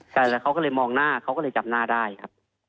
ใช่แล้วเขาก็เลยมองหน้าเขาก็เลยจำหน้าได้ครับ